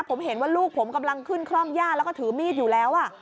ผมเห็นว่าลูกผมกำลังขึ้นคล่อมย่าแล้วก็ถือมีดอยู่แล้ว